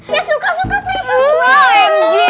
ya suka suka prinses lah omg